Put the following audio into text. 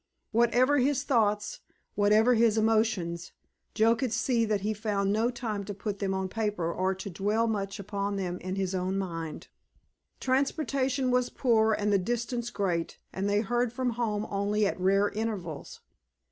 Whatever his thoughts, whatever his emotions, Joe could see that he found no time to put them on paper or to dwell much upon them in his own mind. Transportation was poor and the distance great, and they heard from home only at rare intervals.